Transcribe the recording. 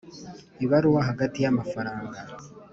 ibaruwa hagati y amafaranga